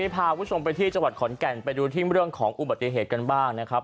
พาคุณผู้ชมไปที่จังหวัดขอนแก่นไปดูที่เรื่องของอุบัติเหตุกันบ้างนะครับ